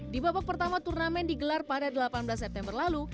di babak pertama turnamen digelar pada delapan belas september lalu